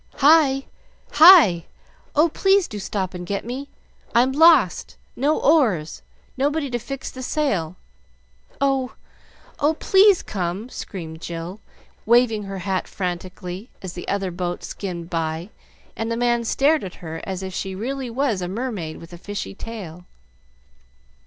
"Hi! hi! Oh, please do stop and get me! I'm lost, no oars, nobody to fix the sail! Oh, oh! please come!" screamed Jill, waving her hat frantically as the other boat skimmed by and the man stared at her as if she really was a mermaid with a fishy tail.